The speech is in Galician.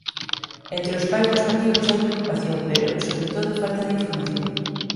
Entre os pais dos cativos hai preocupación, pero, sobre todo, falta de información.